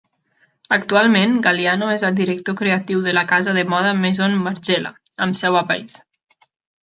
Actualment, Galliano és el director creatiu de la casa de moda Maison Margiela, amb seu a París.